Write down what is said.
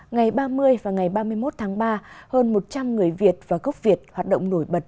ngày ba mươi và ngày ba mươi một tháng ba hơn một trăm linh người việt và gốc việt hoạt động nổi bật